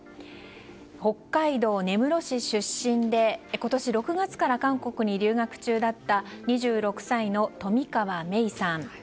北海道の根室市出身で今年６月から韓国に留学中だった２６歳の冨川芽生さん。